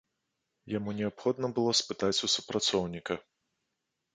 Яму неабходна было спытаць у супрацоўніка.